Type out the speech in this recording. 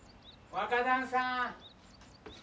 若旦さん。